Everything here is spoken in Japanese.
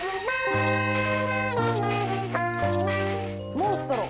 モンストロ